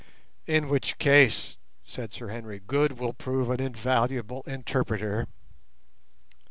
"In which case," said Sir Henry, "Good will prove an invaluable interpreter."